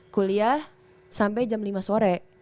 kuliah sampai jam lima sore